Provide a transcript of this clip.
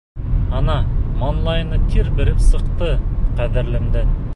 Ана, маңлайына тир бәреп сыҡты ҡәҙерлемдең.